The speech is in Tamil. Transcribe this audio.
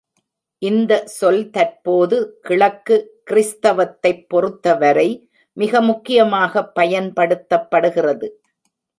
இந்த சொல் தற்போது கிழக்கு கிறிஸ்தவத்தைப் பொறுத்தவரை மிக முக்கியமாகப் பயன்படுத்தப்படுகிறது.